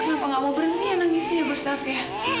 kenapa gak mau berhenti ya nangisnya ya bustaf ya